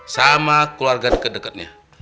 sama keluarga deket deketnya